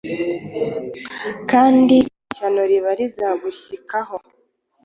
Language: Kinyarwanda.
Kandi ishyano ribi rizagushyikaho